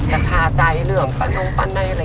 จะชาใจเรื่องการต้องปั้นได้อะไรอย่างนี้